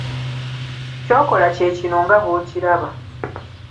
Ky'okola kye kino nga bw'okiraba.